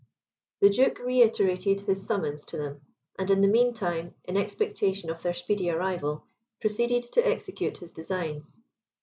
The Duke reiterated his summons to them, and in the mean time, in expectation of their speedy arrival, proceeded to execute his designs.